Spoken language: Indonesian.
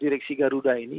direksi garuda ini